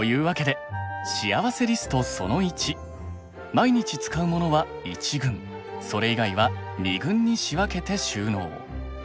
毎日使うモノは１軍それ以外は２軍に仕分けて収納。